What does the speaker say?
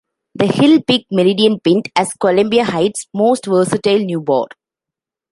The Hill picked "Meridian Pint" as "Columbia Heights' most versatile new bar.